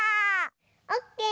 オッケー！